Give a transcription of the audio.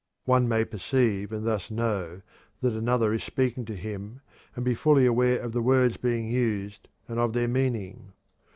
One may perceive and thus "know" that another is speaking to him and be fully aware of the words being used and of their meaning.